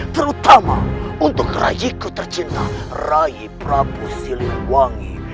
terutama untuk rai ku tercinta rai prabu siliwangi